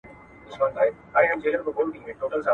هغوی خپله لور په بدو کي نه ده ورکړې.